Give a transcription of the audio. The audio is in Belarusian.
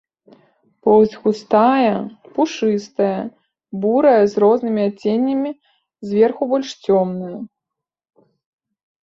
Поўсць густая, пушыстая, бурая з рознымі адценнямі, зверху больш цёмная.